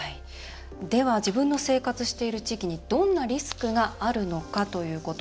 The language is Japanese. では自分の生活している地域にどんなリスクがあるのかということ。